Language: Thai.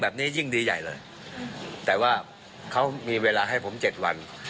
แบบนี้ยิ่งรีใหญ่เลยแต่ว่าเขามีเวลาให้ผม๗วัน